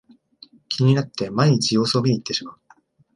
気になって毎日様子を見にいってしまう